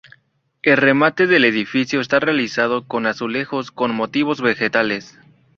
El remate del edificio esta realizado con azulejos con motivos vegetales.